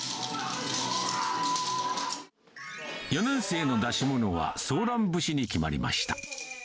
４年生の出し物はソーラン節に決まりました。